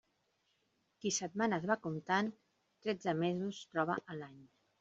Qui setmanes va comptant, tretze mesos troba a l'any.